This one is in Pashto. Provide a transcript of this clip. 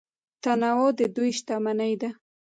تنوع د دوی شتمني ده.